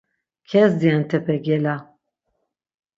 Kezdi entepe gela.